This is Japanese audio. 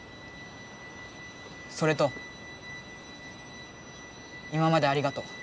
それと今までありがと。